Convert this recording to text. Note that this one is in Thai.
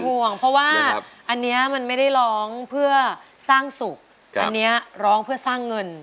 ห่วงเพราะว่าอันนี้มันไม่ได้ร้องเพื่อสร้างสุขอันนี้ร้องเพื่อสร้างเงิน